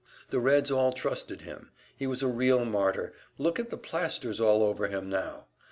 The Reds all trusted him; he was a real martyr look at the plasters all over him now!